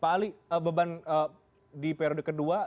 pak ali beban di periode kedua